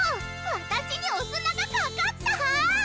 私にお砂がかかった！